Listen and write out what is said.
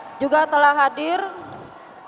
dan juga dari partai pengusung